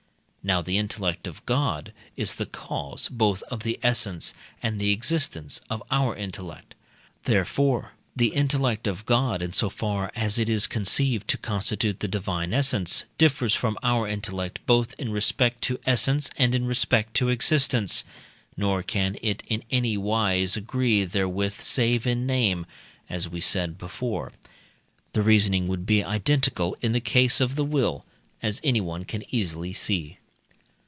Now the intellect of God is the cause both of the essence and the existence of our intellect; therefore, the intellect of God in so far as it is conceived to constitute the divine essence, differs from our intellect both in respect to essence and in respect to existence, nor can it in anywise agree therewith save in name, as we said before. The reasoning would be identical in the case of the will, as anyone can easily see.